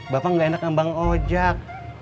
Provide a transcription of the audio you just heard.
bapak nggak enak ngembang ojek